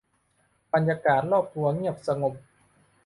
บรรยากาศรอบตัวเงียบสงบ